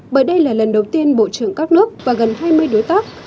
bởi đây là lần đầu tiên bộ trưởng các nước và gần hai mươi đối tác